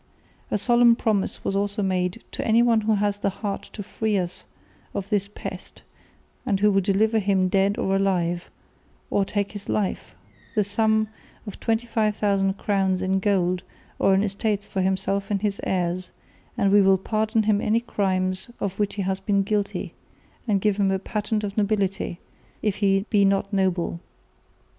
A solemn promise was also made "to anyone who has the heart to free us of this pest, and who will deliver him dead or alive, or take his life, the sum of 25,000 crowns in gold or in estates for himself and his heirs; and we will pardon him any crimes of which he has been guilty, and give him a patent of nobility, if he be not noble."